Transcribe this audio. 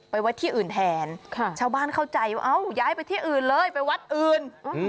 ไว้ที่อื่นแทนชาวบ้านเข้าใจว่าเอ้าย้ายไปที่อื่นเลยไปวัดอื่น